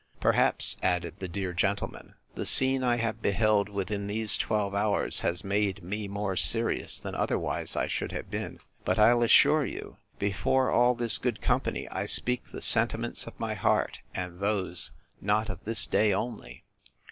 Perhaps, added the dear gentleman, the scene I have beheld within these twelve hours, has made me more serious than otherwise I should have been: but I'll assure you, before all this good company, I speak the sentiments of my heart, and those not of this day only.